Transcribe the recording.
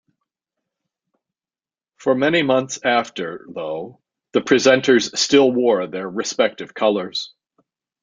For many months after, though, the presenters still wore their respective colours.